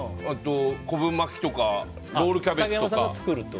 昆布巻きとかロールキャベツとか。